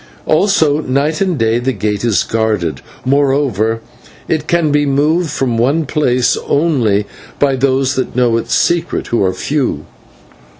Also night and day the gate is guarded; moreover, it can be moved from one place only by those that know its secret, who are few."